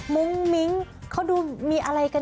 มุ้งมิ้งเขาดูมีอะไรกัน